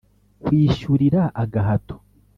kwishyurira agahato. "